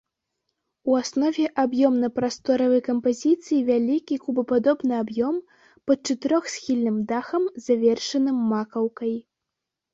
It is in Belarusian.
У аснове аб'ёмна-прасторавай кампазіцыі вялікі кубападобны аб'ём пад чатырохсхільным дахам, завершаным макаўкай.